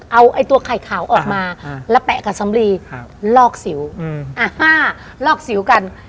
เอาไอ้ตัวไข่ขาวออกมาค่ะแล้วแปะกับสำลีครับลอกสิว